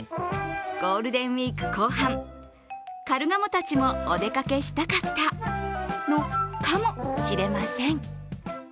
ゴールデンウイーク後半、かるがもたちもお出かけしたかったのかもしれません。